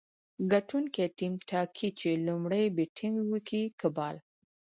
ګټونکی ټیم ټاکي، چي لومړی بېټينګ وکي که بال.